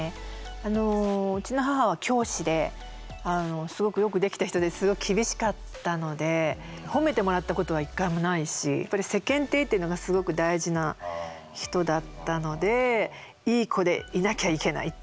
あのうちの母は教師ですごくよくできた人ですごく厳しかったので褒めてもらったことは一回もないしやっぱり世間体っていうのがすごく大事な人だったのでいい子でいなきゃいけないっていうふうに思って育ってきましたね。